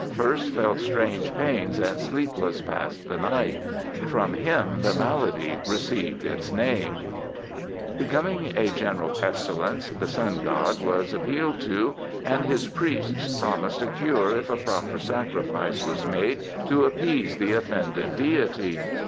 First felt strange pains and sleepless past the night ; From him the malady received its name. 294 BIOGRAPHICAL ESSAYS Becoming a general pestilence, the Sun God was ap pealed to, and his priests promised a cure if a proper sacrifice was made to appease the offended deity.